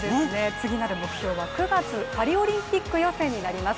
次なる目標は９月パリオリンピック予選になります。